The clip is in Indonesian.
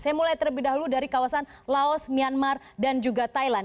saya mulai terlebih dahulu dari kawasan laos myanmar dan juga thailand